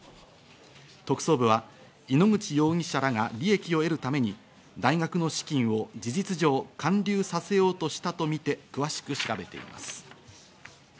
特捜部は井ノ口容疑者らが利益を得るために、大学の資金を事実上、還流させようとしたとみて詳しく調べています。